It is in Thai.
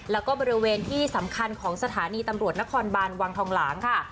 แล้วก็บริเวณที่สำคัญของสถานีตำรวจนครบานวังทองหลางค่ะ